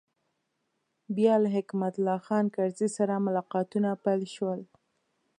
بیا له حکمت الله خان کرزي سره ملاقاتونه پیل شول.